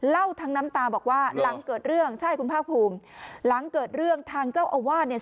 เล่าทั้งน้ำตาบอกว่าหลังเกิดเรื่องใช่คุณภาคภูมิหลังเกิดเรื่องทางเจ้าอาวาสเนี่ย